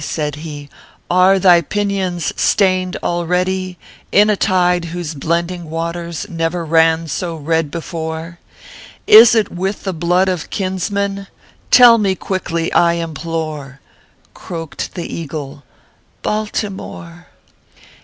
said he, "are thy pinions stained already In a tide whose blending waters never ran so red before ? Is it with the blood of kinsmen ? Tell me quickly, I implore !" Croaked the eagle " BALTIMORE